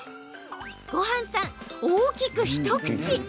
ごはんさん、大きく一口。